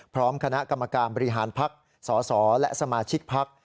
พร้อมคณะกรรมการบริหารภักดิ์สสและสมาชิกพัก